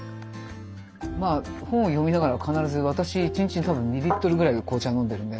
まあ本を読みながら必ず私１日に多分２リットルぐらい紅茶飲んでるんで。